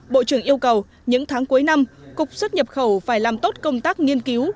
bộ trưởng yêu cầu những tháng cuối năm cục xuất nhập khẩu phải làm tốt công tác nghiên cứu